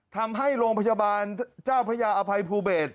ทำให้โรงพยาบาลเจ้าพระยาอภัยภูเบศ